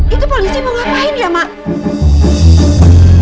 itu polisi mau ngapain ya mak